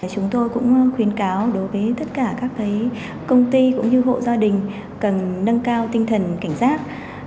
chúng tôi cũng khuyến cáo đối với tất cả các công ty cũng như hộ gia đình cần nâng cao tinh thần cảnh giác